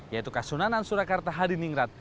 yaitu kasunanan surakarta di ningrat